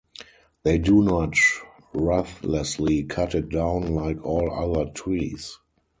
They do not ruthlessly cut it down like all other trees.